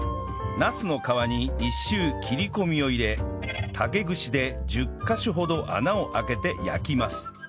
ナスの皮に１周切り込みを入れ竹串で１０カ所ほど穴を開けて焼きます